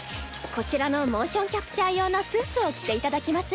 こちらのモーションキャプチャー用のスーツを着ていただきます。